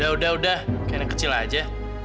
udah udah kayaknya kecil aja